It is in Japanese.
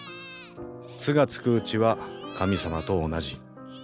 「つ」がつくうちは神様と同じ。